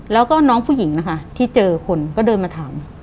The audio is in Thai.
แล้วก็น้องผู้หญิงนะคะที่เจอคนก็เดินมาถาม